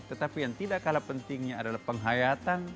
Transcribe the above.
tetapi yang tidak kalah pentingnya adalah penghayatan